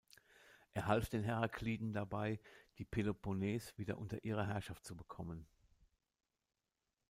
Er half den Herakliden dabei, die Peloponnes wieder unter ihre Herrschaft zu bekommen.